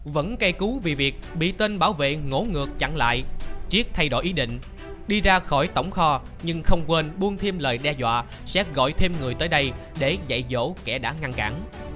vẫn cây cú vì việc bị tên bảo vệ ngỗ ngược chặn lại triết thay đổi ý định đi ra khỏi tổng kho nhưng không quên buông thêm lời đe dọa sẽ gọi thêm người tới đây để dạy dỗ kẻ đã ngăn cản